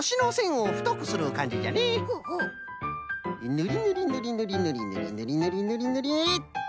ぬりぬりぬりぬりぬりぬりぬりぬりぬりぬりっと。